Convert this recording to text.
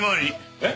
えっ？